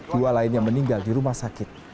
dua lainnya meninggal di rumah sakit